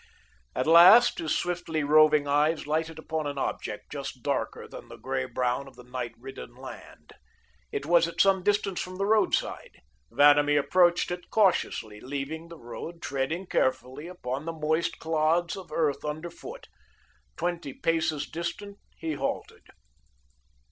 At last, his swiftly roving eyes lighted upon an object, just darker than the grey brown of the night ridden land. It was at some distance from the roadside. Vanamee approached it cautiously, leaving the road, treading carefully upon the moist clods of earth underfoot. Twenty paces distant, he halted.